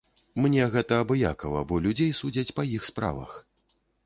Мне гэта абыякава, бо людзей судзяць па іх справах.